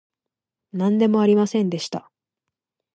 なんでもありませんでした